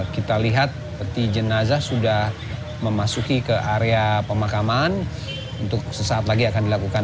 kita lihat peti jenazah sudah memasuki ke area pemakaman untuk sesaat lagi akan dilakukan